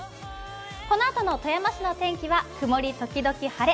このあとの富山市の天気は曇り時々晴れ。